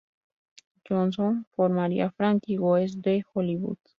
Johnson formaría Frankie Goes to Hollywood.